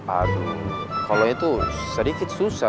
aduh kalau itu sedikit susah